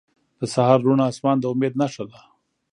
• د سهار روڼ آسمان د امید نښه ده.